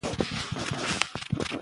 د مینې اور د شاعر په زړه کې بل دی.